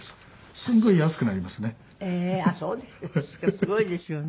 すごいですよね。